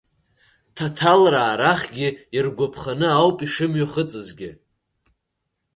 Ҭаҭалраа рахьгьы иргәарԥханы ауп ишымҩахыҵызгьы.